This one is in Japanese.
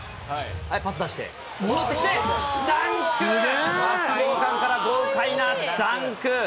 パス出して戻ってきてダンク！から豪快なダンク。